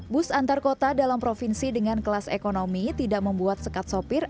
bus antarkota dalam provinsi dengan kelas ekonomi tidak membuat sekat sopir